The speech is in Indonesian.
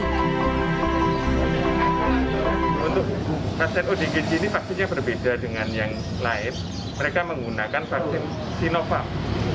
untuk kaset udg ini pastinya berbeda dengan yang lain mereka menggunakan vaksin sinovac